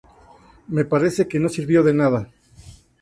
me parece que no sirvió de nada